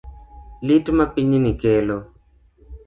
Lit ma pinyni kelo